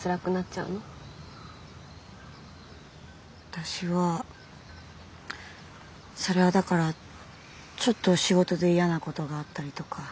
私はそれはだからちょっと仕事で嫌なことがあったりとか。